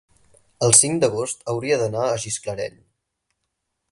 el cinc d'agost hauria d'anar a Gisclareny.